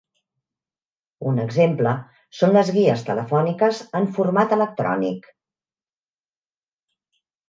Un exemple són les guies telefòniques en format electrònic.